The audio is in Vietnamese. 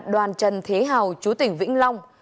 đoàn trần thế hào chú tỉnh vĩnh long